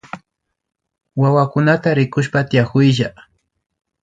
Wawakunata rikushpa tiakuylla